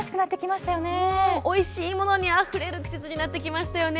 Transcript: おいしいものにあふれる季節になってきましたね。